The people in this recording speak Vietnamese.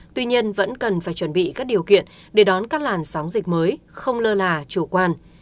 tuy nhiên vẫn cần phải chuẩn bị các điều kiện để đón các làn sóng dịch mới không lơ là chủ quan